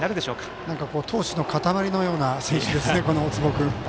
まさに、闘志の塊のような選手ですよね、大坪君。